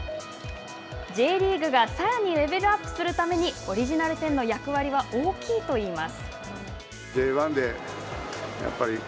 Ｊリーグがさらにレベルアップするためにオリジナル１０の役割は大きいといいます。